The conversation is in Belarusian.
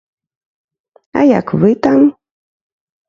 А як вы там?